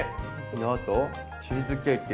であとチーズケーキ。